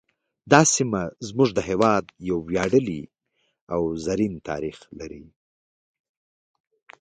دا سیمه زموږ د هیواد یو ویاړلی او زرین تاریخ لري